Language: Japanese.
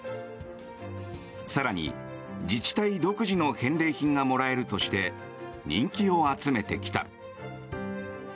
更に、自治体独自の返礼品がもらえるとして人気を集めてきた。